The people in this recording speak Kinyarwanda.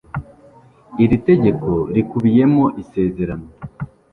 Iri tegeko rikubiyemo isezerano.